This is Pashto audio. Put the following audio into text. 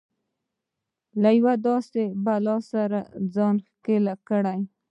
له يوې داسې بلا سره ځان ښکېل کړي.